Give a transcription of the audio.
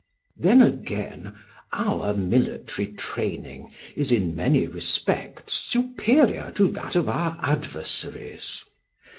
"Then again, our military training is in many respects superior to that of our adversaries.